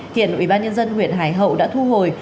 hiện ủy ban nhân dân huyện hải hậu đã thu hồi